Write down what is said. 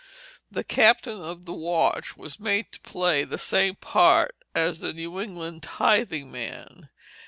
The captain of the watch was made to play the same part as the New England tithing man.